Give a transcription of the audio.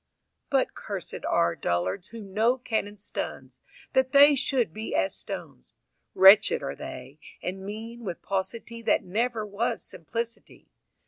VI But cursed are dullards whom no cannon stuns, That they should be as stones. Wretched are they, and mean With paucity that never was simplicity.